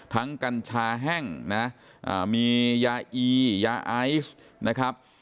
กัญชาแห้งนะมียาอียาไอซ์นะครับ